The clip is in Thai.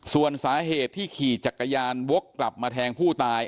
ส่วนสาเหตุที่ขี่จักรยานวกกลับมาแทงผู้ตาย